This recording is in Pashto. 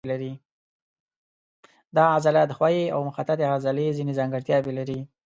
دا عضله د ښویې او مخططې عضلې ځینې ځانګړتیاوې لري.